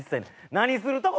何するとこ？